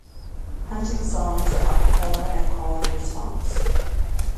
Hunting songs are a cappella and call-and-response.